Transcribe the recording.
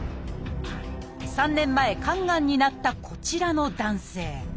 ３年前肝がんになったこちらの男性